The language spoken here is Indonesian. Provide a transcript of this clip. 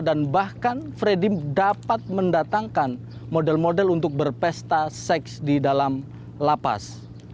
dan bahkan freddy dapat mendatangkan model model untuk berpesta seks di dalam lapas